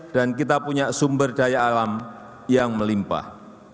dan kita punya sumber daya alam yang melimpah